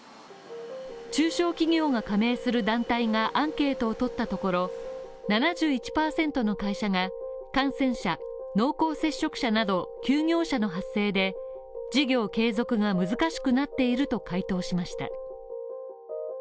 中小企業が加盟する団体がアンケートをとったところ、７１％の会社が感染者濃厚接触者など、休業者の発生で事業継続が難しくなっていると回答しました。